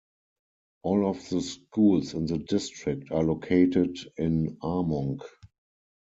All of the schools in the district are located in Armonk.